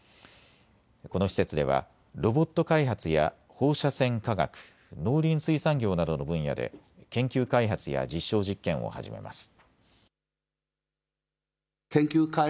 この施設ではロボット開発や放射線科学、農林水産業などの分野で研究開発や実証実験を始めます。